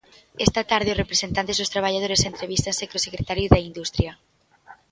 Esta tarde os representantes dos traballadores entrevístanse co secretario de Industria.